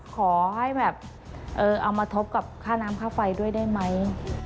ขอให้แบบเอามาทบกับค่าน้ำค่าไฟด้วยได้ไหม